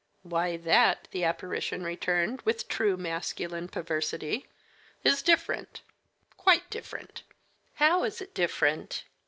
"Why, that," the apparition returned, with true masculine perversity, "is different quite different." "How is it different?"